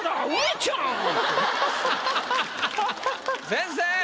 先生！